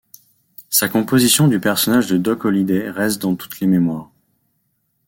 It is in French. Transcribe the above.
Sa composition du personnage de Doc Holliday reste dans toutes les mémoires.